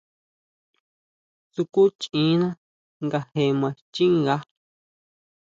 Sukúchiʼína nga je maa xchínga.